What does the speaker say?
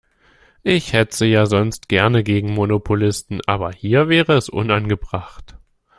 Ich hetze ja sonst gerne gegen Monopolisten, aber hier wäre es unangebracht.